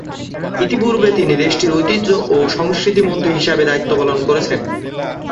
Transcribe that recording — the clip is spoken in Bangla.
ইতিপূর্বে তিনি দেশটির ঐতিহ্য ও সংস্কৃতি মন্ত্রী হিসেবে দায়িত্বপালন করেছেন।